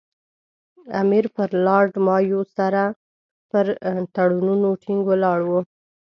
امیر پر لارډ مایو سره پر تړونونو ټینګ ولاړ وو.